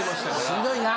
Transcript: しんどいな。